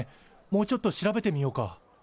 もうちょっと調べてみようか。